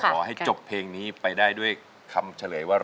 ขอให้จบเพลงกับผู้ชายไปได้ด้วยคำเฉลยว่า